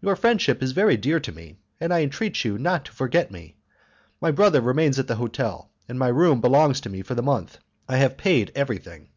Your friendship is very dear to me, and I entreat you not to forget me. My brother remains at the hotel, and my room belongs to me for the month. I have paid everything."